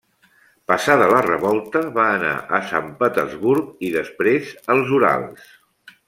Passada la revolta va anar a Sant Petersburg i després als Urals.